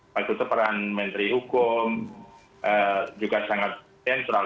pak kutu peran menteri hukum juga sangat sensual